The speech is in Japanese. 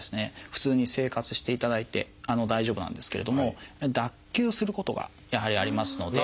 普通に生活していただいて大丈夫なんですけれども脱臼することがやはりありますので。